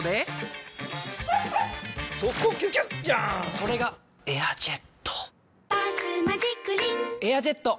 それが「エアジェット」「バスマジックリン」「エアジェット」！